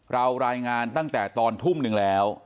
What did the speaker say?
รายงานตั้งแต่ตอนทุ่มหนึ่งแล้ว